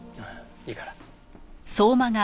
いいから。